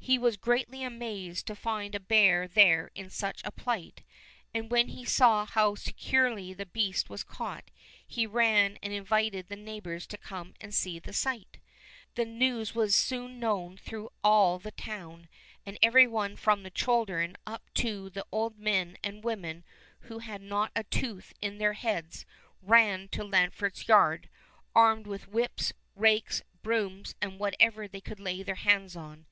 He was greatly amazed to find a bear there in such a plight, and when he saw how securely the beast was caught, he ran and invited the neighbors to come and see the sight. The news was soon known through all the town, and every one from the children up to the old men and women who had not a tooth in their heads ran toLanfert's yard, armed with whips, rakes, brooms, and whatever they could lay their hands on.